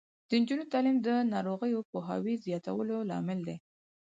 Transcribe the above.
د نجونو تعلیم د ناروغیو پوهاوي زیاتولو لامل دی.